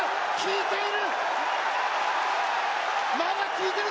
効いている！